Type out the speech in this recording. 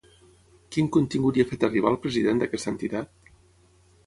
Quin contingut hi ha fet arribar el president d'aquesta entitat?